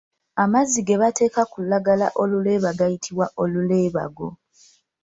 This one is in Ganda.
Amazzi ge bateeka ku lulagala oluleeba gayitibwa Oluleebago.